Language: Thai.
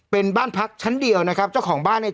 เป็นบ้านพักชั้นเดียวนะครับเจ้าของบ้านเนี่ย